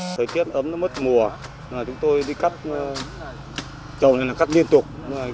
thời tiết ấm mất mùa chúng tôi đi cắt trồng này là cắt liên tục